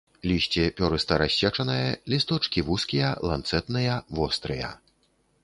Лісце пёрыста-рассечанае, лісточкі вузкія, ланцэтныя, вострыя.